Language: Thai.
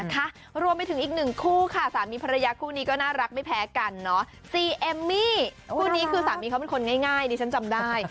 ซีเอมมี่คู่นี้คือสามีเค้าเป็นคนง่ายดิฉันจำได้